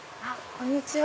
こんにちは。